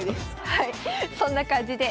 はいそんな感じで。